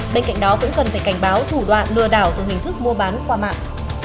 bên cạnh đó cũng cần phải cảnh báo thủ đoạn lừa đảo từ hình thức mua bán qua mạng